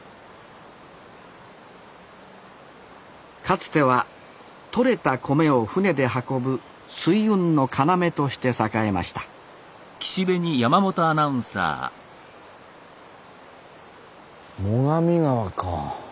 つては取れた米を舟で運ぶ水運の要として栄えました最上川か。